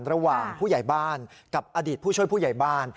ระหว่างผู้ใหญ่บ้านกับอดีตผู้ช่วยผู้ใหญ่บ้าน